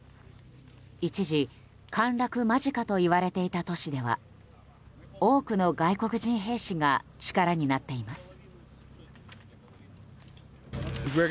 一時、陥落間近といわれていた都市では多くの外国人兵士が力になっています。